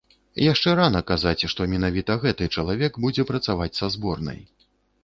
Яшчэ рана казаць, што менавіта гэты чалавек будзе працаваць са зборнай.